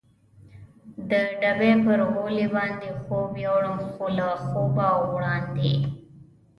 د ډبې پر غولي باندې خوب یووړم، خو له خوبه وړاندې.